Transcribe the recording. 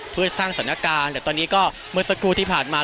เพื่อสร้างสถานการณ์แต่ตอนนี้ก็เมื่อสักครู่ที่ผ่านมา